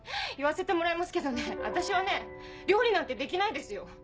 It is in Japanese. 言わせてもらいますけどね私はね料理なんてできないですよ。